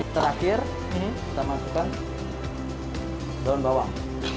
terakhir ini kita masukkan daun bawang